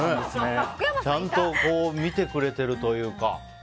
ちゃんと見てくれてるというか。